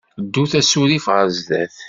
Ddut asurif ɣer sdat.